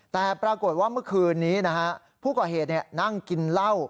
แต่ปรากฏว่าเมื่อคืนนี้นะฮะผู้ก่อเหตุนั่งกินเหล้า